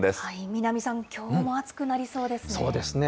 南さん、きょうも暑くなりそうですね。